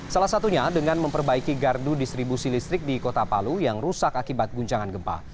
salah satunya dengan memperbaiki gardu distribusi listrik di kota palu yang rusak akibat guncangan gempa